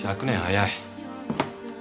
１００年早い。